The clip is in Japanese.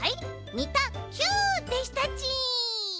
２たＱ」でしたち！